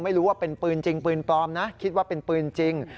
ไม่รู้ว่าเป็นปืนจริงปืนปลอมนะคิดว่าเป็นปืนจริง